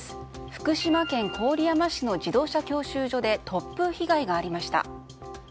福島県郡山市の自動車教習所で突風被害がありました。